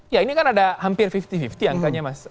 ya ini kan ada hampir lima puluh lima puluh angkanya mas